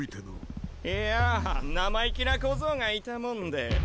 いやぁ生意気な小僧がいたもんで。